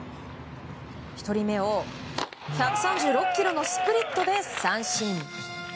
１人目を１３６キロのスプリットで三振。